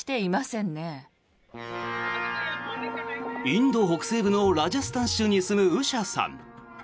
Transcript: インド北西部のラジャスタン州に住むウシャさん。